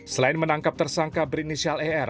selain menangkap tersangka berinisial er